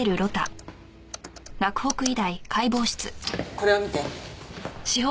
これを見て。